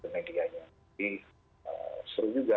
jadi seru juga